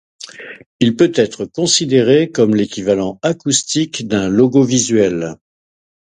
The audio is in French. Il peut être considéré comme l'équivalent acoustique d'un logo visuel.